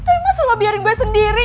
tapi masa lo biarin gue sendiri